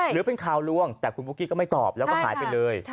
หรือเป็นข่าวลวงแต่คุณปุ๊กกี้ก็ไม่ตอบแล้วก็หายไปเลย